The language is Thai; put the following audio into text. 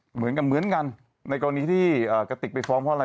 เหมือนกันเหมือนกันในกรณีที่กระติกไปฟ้องเพราะอะไร